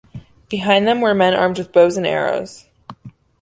Behind them were men armed with bows and arrows.